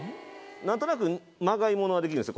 なんとなくまがいものはできるんですよ。